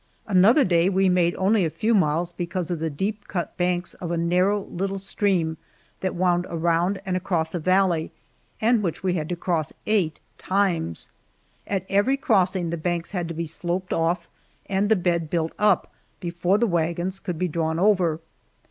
Another day we made only a few miles because of the deep cut banks of a narrow little stream that wound around and across a valley, and which we had to cross eight times. At every crossing the banks had to be sloped off and the bed built up before the wagons could be drawn over.